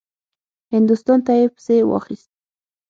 هندوستان ته یې پسې واخیست.